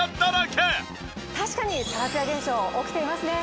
確かにサラツヤ現象起きていますね。